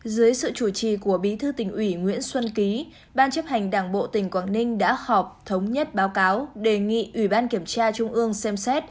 dưới sự chủ trì của bí thư tỉnh ủy nguyễn xuân ký ban chấp hành đảng bộ tỉnh quảng ninh đã họp thống nhất báo cáo đề nghị ủy ban kiểm tra trung ương xem xét